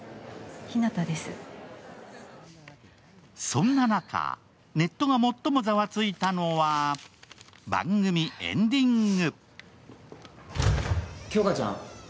そんな中、ネットが最もザワついたのは番組エンディング。